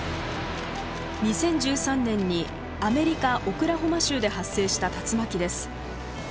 ２０１３年にアメリカ・オクラホマ州で発生した竜巻です。